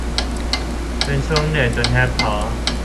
เป็นช่วงเหนื่อยจนแทบท้อ